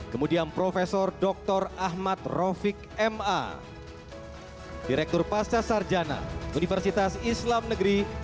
kemudian prof dr ahmad rofik ma direktur pasca sarjana universitas islam negeri